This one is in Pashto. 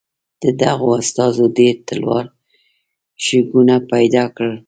د دغو استازو ډېر تلوار شکونه پیدا کړل.